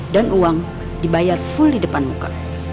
dan uang dibayar full di depan muka